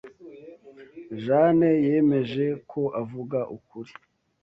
Jane yemeje ko avuga ukuri.